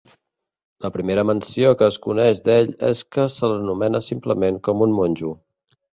La primera menció que es coneix d'ell és que se l'anomena simplement com un monjo.